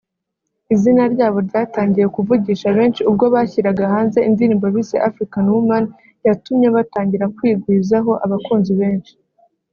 Izina ryabo ryatangiye kuvugisha benshi ubwo bashyiraga hanze indirimbo bise ‘African Woman’ yatumye batangira kwigwizaho abakunzi benshi